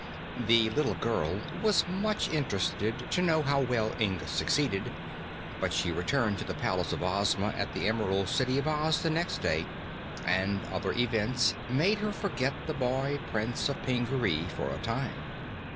The little girl was much interested to know how well Inga succeeded, but she returned to the palace of Ozma at the Emerald City of Oz the next day and other events made her forget the boy Prince of Pingaree for a time.